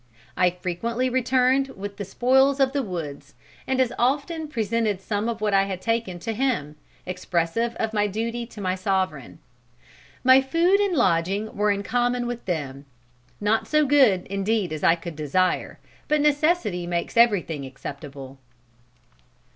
I frequently returned with the spoils of the woods, and as often presented some of what I had taken to him, expressive of my duty to my sovereign. My food and lodging were in common with them. Not so good, indeed, as I could desire, but necessity makes everything acceptable."